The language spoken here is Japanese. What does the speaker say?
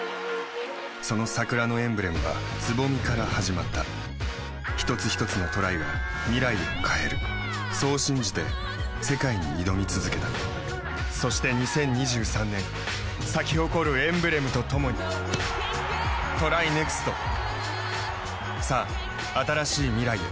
その桜のエンブレムは蕾から始まった一つひとつのトライが未来を変えるそう信じて世界に挑み続けたそして２０２３年咲き誇るエンブレムとともにＴＲＹＮＥＸＴさあ、新しい未来へ。